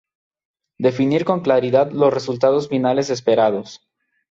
Definir con claridad los resultados finales esperados.